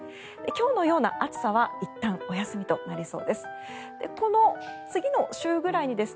今日のような暑さはいったんお休みとなりそうです。